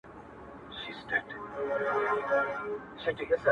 د پاچا د لوڅ بدن خبره سره سوه،